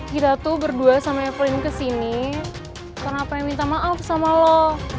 kita tuh berdua sama evelyn kesini pengen minta maaf sama lo